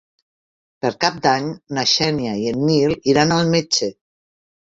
Per Cap d'Any na Xènia i en Nil iran al metge.